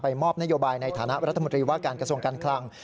มอบนโยบายในฐานะรัฐมนตรีว่าการกระทรวงการคลัง